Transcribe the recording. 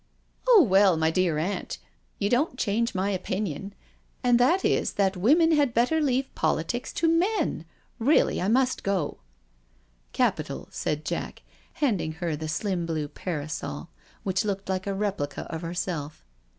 " Oh well, my dear Aunt, you don't change my opinion, and that is that women had better leave politics to men I Really, I must go." "Capitall" said Jack, handing her the slim blue parasol, which looked like a replica of herself.